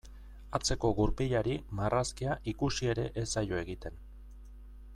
Atzeko gurpilari marrazkia ikusi ere ez zaio egiten.